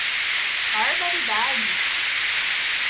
Barbaridade